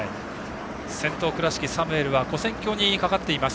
先頭、倉敷のサムエルは跨線橋にかかっています。